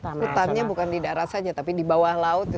hutannya bukan di darat saja tapi di bawah laut